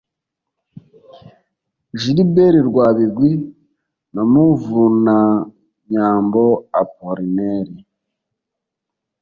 Gilbert Rwabigwi na Muvunanyambo Apollinaire